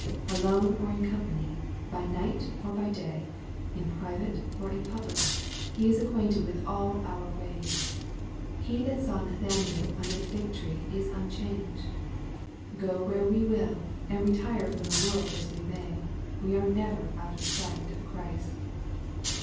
Alone or ia company, by night or by day, in private or in public, He is acquainted with all our ways. He that saw Nathanael under the fig tree is unchanged. Go where we will, and retire from (he world as we may, we are never out of sight of Christ.